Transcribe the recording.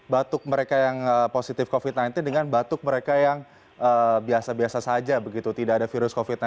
batuk mereka yang positif covid sembilan belas dengan batuk mereka yang biasa biasa saja begitu tidak ada virus covid sembilan belas